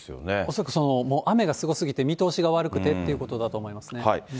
恐らく雨がすごすぎて見通しが悪くてってことだと思いますね。